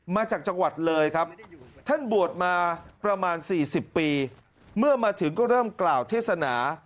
มาจากจังหวัดเลยครับท่านบวชมาประมาณ๔๐ปีเมื่อมาถึงก็เริ่มกล่าวเทศนา